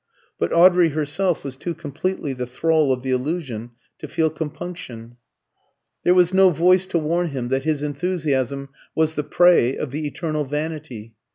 But Audrey herself was too completely the thrall of the illusion to feel compunction. There was no voice to warn him that his enthusiasm was the prey of the eternal vanity.